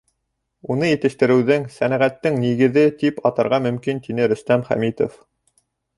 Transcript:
Уны етештереүҙең, сәнәғәттең нигеҙе тип атарға мөмкин, — тине Рөстәм Хәмитов.